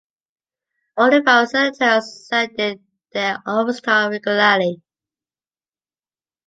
All involved Senators, ended their office time regularly.